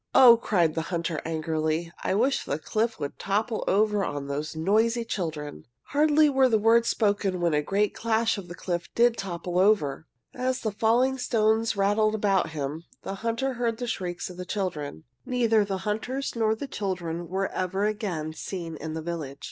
"Oh," cried the hunter, angrily, "I wish the cliff would topple over on those noisy children!" Hardly were the words spoken when with a great clash the cliff did topple over. As the falling stones rattled about him the hunter heard the shrieks of the children. Neither the hunters nor the children were ever again seen in the village.